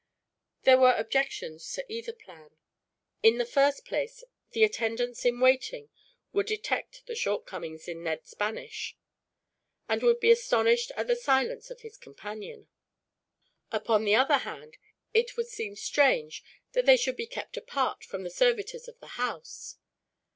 There were objections to either plan. In the first place, the attendants in waiting would detect the shortcomings in Ned's Spanish, and would be astonished at the silence of his companion. Upon the other hand, it would seem strange that they should be kept apart from the servitors of the house.